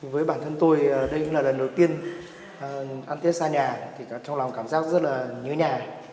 với bản thân tôi đây cũng là lần đầu tiên ăn tết xa nhà thì trong lòng cảm giác rất là nhớ nhà